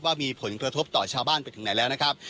ว่ามีผลกระทบต่อชาวบ้านไปถึงไหนแล้วนะครับ